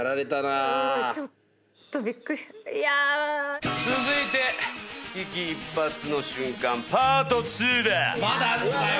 ちょっとビックリいやあ続いて危機一髪の瞬間Ｐａｒｔ２だまだあんのかよ